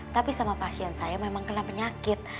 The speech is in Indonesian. tapi sama pasien saya memang kena penyakit